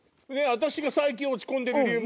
私が最近落ち込んでる理由